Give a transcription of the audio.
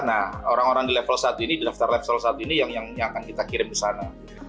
nah orang orang di level satu ini di daftar level satu ini yang akan kita kirim ke sana